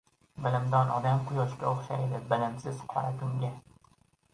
• Bilimdon odam Quyoshga o‘xshaydi, bilimsiz ― qora tunga.